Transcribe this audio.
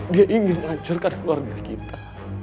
dia ingin hancurkan keluarga kita